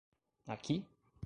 Aqui?